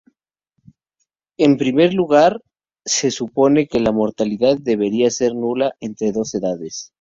En primer lugar, se supone que la mortalidad debería ser nula entre dos edades.